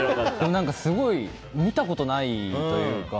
すごい見たことないというか。